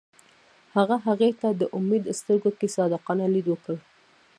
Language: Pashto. هغه هغې ته د امید سترګو کې صادقانه لید وکړ.